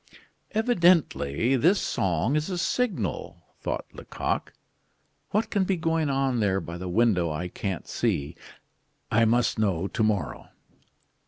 "Evidently this song is a signal," thought Lecoq. "What can be going on there by the window I can't see? I must know to morrow."